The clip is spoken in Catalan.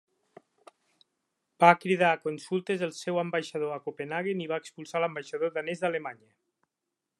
Va cridar a consultes el seu ambaixador a Copenhaguen i va expulsar l'ambaixador danès d'Alemanya.